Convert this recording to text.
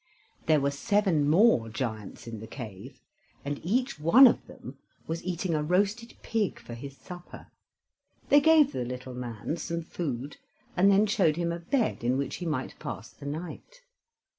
There were seven more giants in the cave, and each one of them was eating a roasted pig for his supper. They gave the little man some food, and then showed him a bed in which he might pass the night.